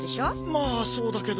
まぁそうだけど。